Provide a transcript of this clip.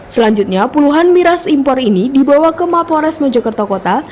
selanjutnya puluhan miras impor ini dibawa ke mapores mojokerto kota